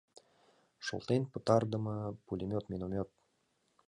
Шотлен пытарыдыме пулемет, миномет.